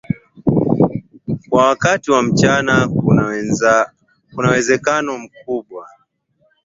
kuwa wakati wa mchana kuna uwezekano mkubwa